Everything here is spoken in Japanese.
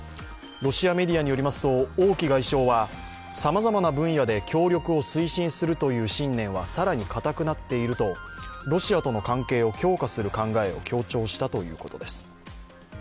ロシアメディアによりますと王毅外相は、さまざまな分野で協力を推進するという信念は更に固くなっているとロシアとの関係を強化する考えを強調したということです。